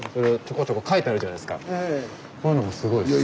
こういうのもすごい好きです。